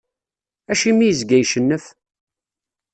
Acimi izga icennef?